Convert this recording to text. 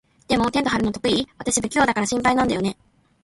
でも、テント張るの得意？私、不器用だから心配なんだよね。